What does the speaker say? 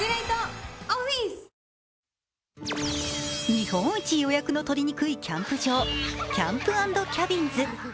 日本一予約の取りにくいキャンプ場、キャンプ・アンド・キャビンズ。